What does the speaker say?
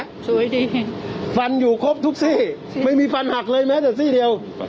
สวยดีค่ะฟันอยู่ครบทุกซี่ไม่มีฟันหักเลยแม้แต่ซี่เดียว